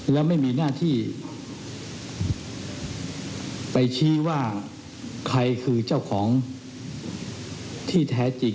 และไม่มีหน้าที่ไปชี้ว่าใครคือเจ้าของที่แท้จริง